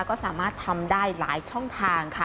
ก็สามารถทำได้หลายช่องทางค่ะ